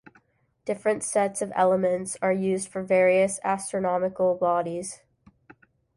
Different sets of elements are used for various astronomical bodies.